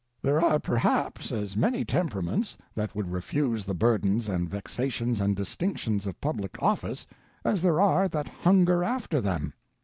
There are perhaps as many Temperaments that would refuse the burdens and vexations and distinctions of public office as there are that hunger after them.